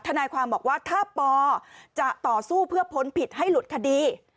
นายความบอกว่าถ้าปอจะต่อสู้เพื่อพ้นผิดให้หลุดคดี